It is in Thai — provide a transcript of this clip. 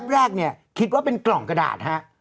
แรกเนี่ยคิดว่าเป็นกล่องกระดาษฮะ